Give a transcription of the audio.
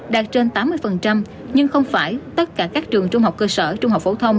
đạt trên tám mươi nhưng không phải tất cả các trường trung học cơ sở trung học phổ thông